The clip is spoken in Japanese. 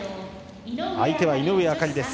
相手は井上あかりです。